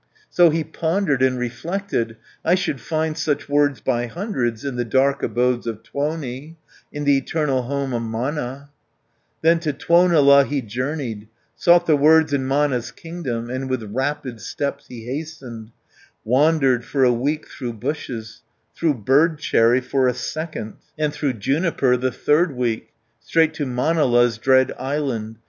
So he pondered and reflected, "I should find such words by hundreds In the dark abodes of Tuoni, In the eternal home of Mana." 150 Then to Tuonela he journeyed, Sought the words in Mana's kingdom. And with rapid steps he hastened, Wandered for a week through bushes, Through bird cherry for a second, And through juniper the third week, Straight to Manala's dread island.